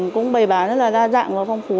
cũng bày bán rất là đa dạng và phong phú